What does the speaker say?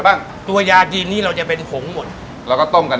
มัน๒๐วันอย่างครับ